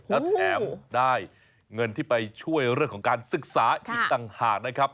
แล้วแถมได้เงินที่ไปช่วยเรื่องของการศึกษาอีกต่างหากนะครับ